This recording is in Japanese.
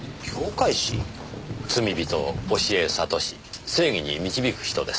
罪人を教え諭し正義に導く人です。